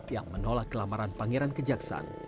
yang menolak kelamaran pangeran kejaksaan